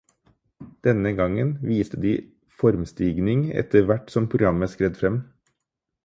Denne gangen viste de formstigning etter hvert som programmet skred frem.